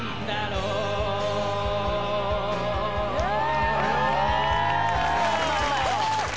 うわ！